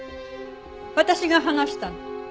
私が話したの。